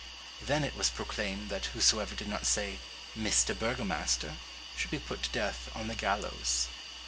Then it was proclaimed that whosoever did not say, "Mr. Burgomaster," should be put to death on the gallows.